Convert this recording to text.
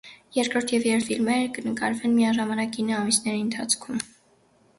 Երկրորդ և երրորդ ֆիլմերն կնկարվեն միաժամանակ ինը ամիսների ընթացքում։